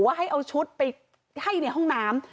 ให้เอาชุดไปให้ในห้องน้ำ